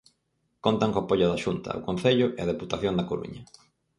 Contan co apoio da Xunta, o concello e a Deputación da Coruña.